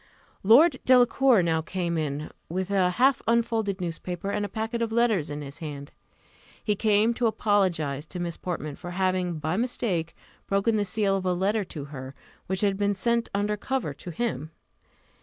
Lord Delacour now came in, with a half unfolded newspaper, and a packet of letters in his hand. He came to apologize to Miss Portman for having, by mistake, broken the seal of a letter to her, which had been sent under cover to him.